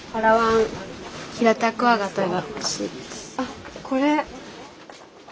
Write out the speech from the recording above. あっこれ。